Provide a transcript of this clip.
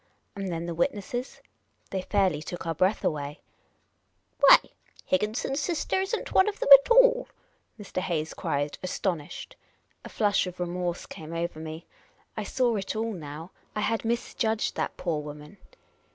And then the witnesses ? They fairly took our breath awa3\ " Why, Higginson's sister is n't one of them at all," Mr. Hayes cried, astonished. A flush of remorse came over me. I saw it all now. I had misjudged that poor woman